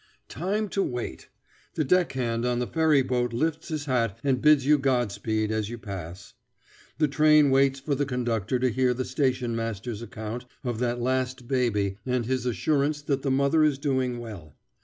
Time to wait! The deckhand on the ferry boat lifts his hat and bids you God speed, as you pass. The train waits for the conductor to hear the station master's account of that last baby and his assurance that the mother is doing well.